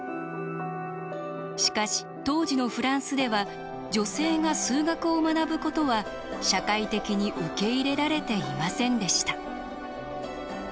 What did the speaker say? しかし当時のフランスでは女性が数学を学ぶことは社会的に受け入れられていませんでした。